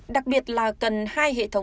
đặc biệt là cần hai hệ thống